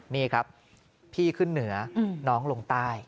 นี่ครับพี่ขึ้นเหนือน้องลงใต้